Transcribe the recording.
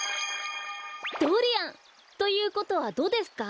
ドリアン！ということはドですか？